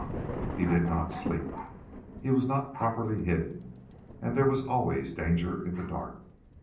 He did not sleep. He was not properly hidden, and there was always danger in the dark.